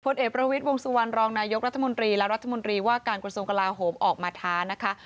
เอกประวิทย์วงสุวรรณรองนายกรัฐมนตรีและรัฐมนตรีว่าการกระทรวงกลาโหมออกมาท้านะคะ